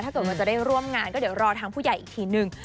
ว่าจะได้ร่วมงานก็เดี๋ยวรอทางผู้ใหญ่อีกทีนึง